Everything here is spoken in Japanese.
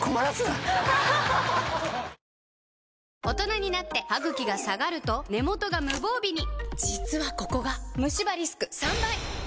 大人になってハグキが下がると根元が無防備に実はここがムシ歯リスク３倍！